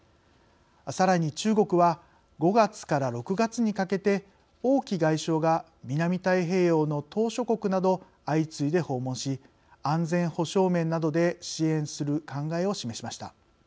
さらに、中国は５月から６月にかけて王毅外相が南太平洋の島しょ国など相次いで訪問し安全保障面などで支援する考えを示しました。